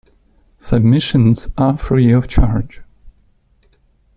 Submissions are free of charge.